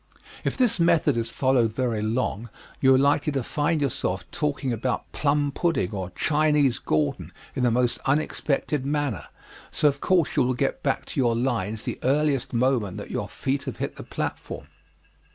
If this method is followed very long you are likely to find yourself talking about plum pudding or Chinese Gordon in the most unexpected manner, so of course you will get back to your lines the earliest moment that your feet have hit the platform.